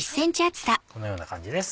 このような感じです。